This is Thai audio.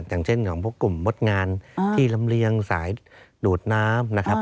อย่างเช่นของพวกกลุ่มมดงานที่ลำเลียงสายดูดน้ำนะครับ